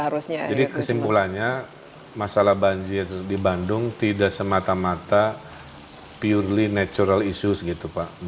harusnya jadi kesimpulannya masalah banjir di bandung tidak semata mata purely natural issues gitu pak